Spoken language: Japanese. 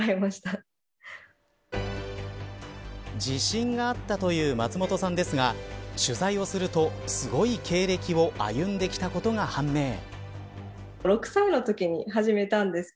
自信があったという松本さんですが取材をすると、すごい経歴を歩んできたことが判明。